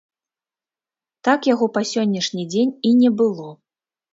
Так яго па сённяшні дзень і не было.